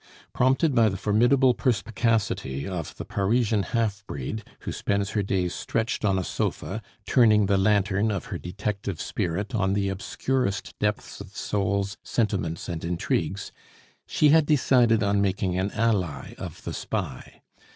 Prompted by the formidable perspicacity of the Parisian half breed, who spends her days stretched on a sofa, turning the lantern of her detective spirit on the obscurest depths of souls, sentiments, and intrigues, she had decided on making an ally of the spy.